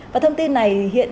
và thông tin này